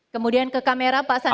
kemudian ke kamera pak sandi